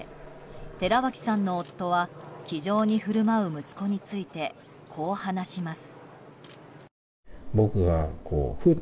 寺脇さんの夫は気丈に振る舞う息子についてこう話します。